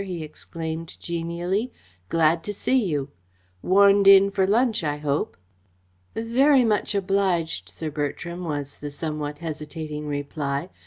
he exclaimed genially. "Glad to see you. Warned in for lunch, I hope." "Very much obliged, Sir Bertram," was the somewhat hesitating reply.